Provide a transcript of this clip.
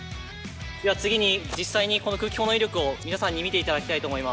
では次に実際にこの空気砲の威力を皆さんに見て頂きたいと思います。